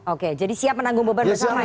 oke jadi siap menanggung beban bersama ya